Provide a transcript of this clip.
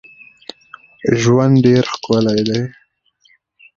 ماشوم د انا له قهر نه تښتېده.